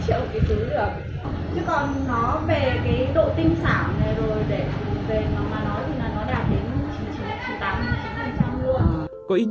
chứ còn nó về cái độ tinh sản này rồi để về nó mà nói thì nó đạt đến chín mươi tám luôn